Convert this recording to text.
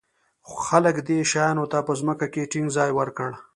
خلک دې شیانو ته په ځمکه کې ټینګ ځای ورکړ.